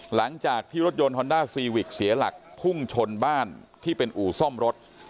หลังจากที่รถยนต์ฮอนด้าซีวิกเสียหลักพุ่งชนบ้านที่เป็นอู่ซ่อมรถ